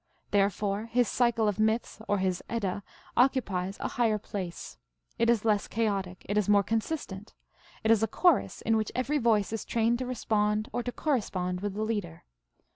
Therefore his cycle of myths, or his Edda, occupies a higher place. It is less chaotic ; it is more con sistent ; it is a chorus in which every voice is trained to respond to or correspond with the leader.